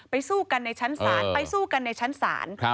สู้กันในชั้นศาลไปสู้กันในชั้นศาล